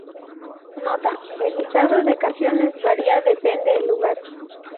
Nota: el listado de canciones varia depende el lugar.